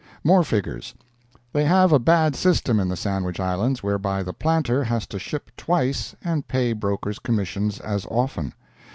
MORE FIGURES They have a bad system in the Sandwich Islands, whereby the planter has to ship twice and pay broker's commissions as often.